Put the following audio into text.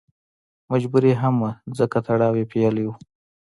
مجبوري هم وه ځکه تړاو یې پېیلی و.